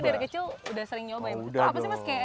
berarti dari kecil udah sering nyobain